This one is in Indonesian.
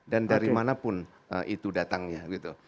dan dari mana pun itu datangnya